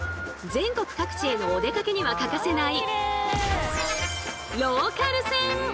全国各地へのお出かけには欠かせない